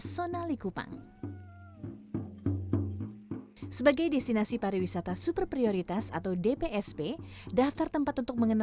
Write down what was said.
sampai jumpa di video selanjutnya